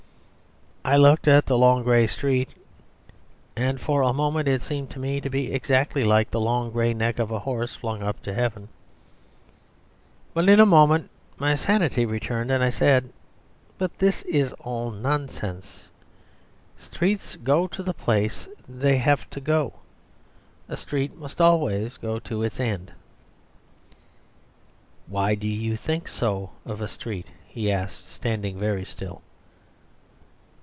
"I looked at the long grey street, and for a moment it seemed to me to be exactly like the long grey neck of a horse flung up to heaven. But in a moment my sanity returned, and I said, 'But this is all nonsense. Streets go to the place they have to go. A street must always go to its end.' "'Why do you think so of a street?' he asked, standing very still.